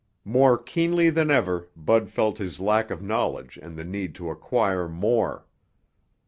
More keenly than ever, Bud felt his lack of knowledge and the need to acquire more.